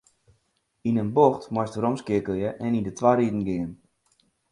Yn in bocht moatst weromskeakelje en yn de twa riden gean.